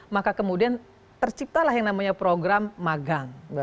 maka kemudian terciptalah yang namanya program magang